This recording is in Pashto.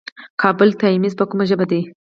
کابل ټایمز په کومه ژبه ده؟